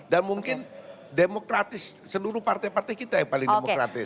mungkin demokratis seluruh partai partai kita yang paling demokratis